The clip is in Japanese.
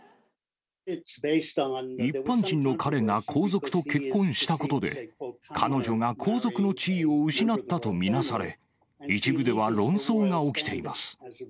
一般人の彼が皇族と結婚したことで、彼女が皇族の地位を失ったと見なされ、一部では論争が起きています。